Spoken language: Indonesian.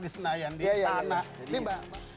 di senayan di tanah